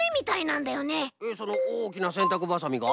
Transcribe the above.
えっそのおおきなせんたくばさみが？